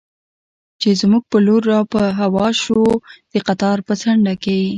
چې زما پر لور را په هوا شو، د قطار په څنډه کې.